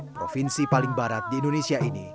provinsi paling barat di indonesia ini